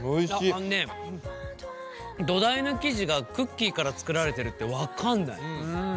あのね土台の生地がクッキーから作られてるって分かんない。